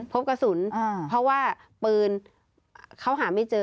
พบกระสุนเพราะว่าปืนเขาหาไม่เจอ